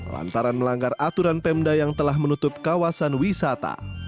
lantaran melanggar aturan pemda yang telah menutup kawasan wisata